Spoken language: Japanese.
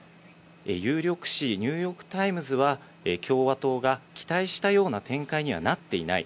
有力紙ニューヨーク・タイムズは、共和党が期待したような展開にはなっていない。